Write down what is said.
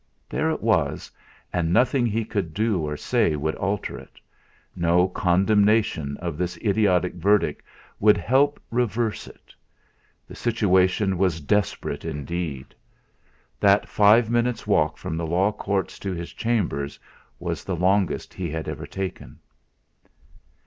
There it was, and nothing he could do or say would alter it; no condemnation of this idiotic verdict would help reverse it. The situation was desperate, indeed! That five minutes' walk from the Law Courts to his chambers was the longest he had ever taken.